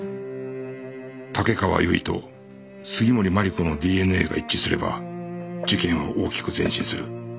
竹川由衣と杉森真梨子の ＤＮＡ が一致すれば事件は大きく前進する